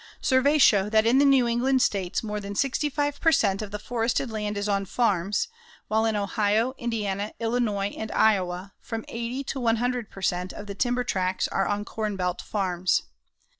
Surveys show that in the New England States more than 65 per cent. of the forested land is on farms, while in Ohio, Indiana, Illinois and Iowa from 80 to 100 per cent. of the timber tracts are on corn belt farms.